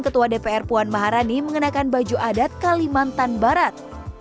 ketua dpr puan maharani mengenakan baju adat kalimantan barat